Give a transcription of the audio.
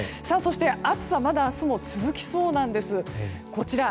そして、暑さはまだ明日も続きそうなんです。